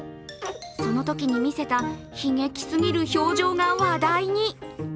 そのときに見せた悲劇すぎる表情が話題に。